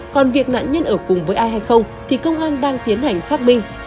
còn việc nạn nhân ở cùng với ai hay không thì công an đang tiến hành xác minh